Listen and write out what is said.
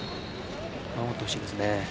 守ってほしいです。